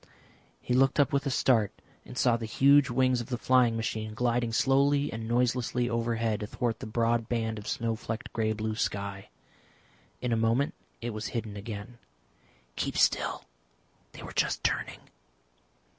He looked up with a start and saw the huge wings of the flying machine gliding slowly and noiselessly overhead athwart the broad band of snow flecked grey blue sky. In a moment it was hidden again. "Keep still; they were just turning."